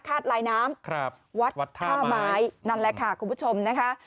ลายน้ำครับวัดท่าไม้นั่นแหละค่ะคุณผู้ชมนะคะ